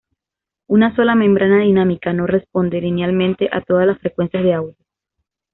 Una sola membrana dinámica no responde linealmente a todas las frecuencias de audio.